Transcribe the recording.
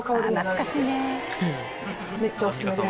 懐かしい。